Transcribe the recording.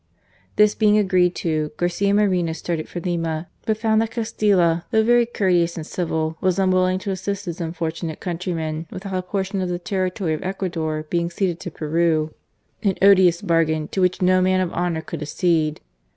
This being agreed to, Garcia Moreno started for Lima, but found that Castilla, though very courteous and civil, was unwilling to assist his unfortunate countr^^men without a portion of the territory of Ecuador being ceded to Peru, an odious bargain to which no man of honour could accede.